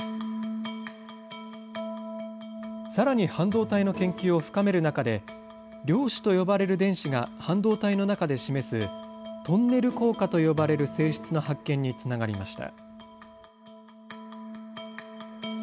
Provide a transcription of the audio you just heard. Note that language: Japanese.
さらに半導体の研究を深める中で、量子と呼ばれる電子が半導体の中で示す、トンネル効果と呼ばれる性質の発見につながりました。